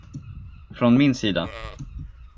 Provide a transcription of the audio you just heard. Från min sida.